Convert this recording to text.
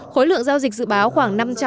khối lượng giao dịch dự báo khoảng